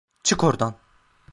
Çık oradan!